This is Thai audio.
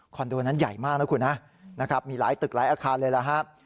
โดนั้นใหญ่มากนะคุณฮะนะครับมีหลายตึกหลายอาคารเลยล่ะครับ